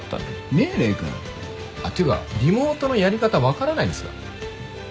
礼くん。っていうかリモートのやり方わからないんですか？